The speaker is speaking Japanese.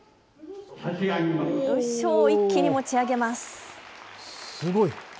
一気に持ち上げます。